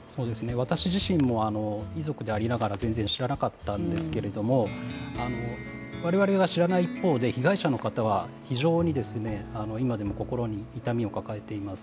私自身も遺族でありながら全然知らなかったんですけれども我々が知らない一方で被害者の方は非常に今でも心に痛みを抱えています。